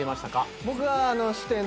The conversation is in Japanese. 僕は。